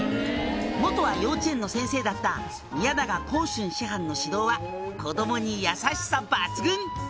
「元は幼稚園の先生だった宮永香春師範の指導は子供に優しさ抜群！」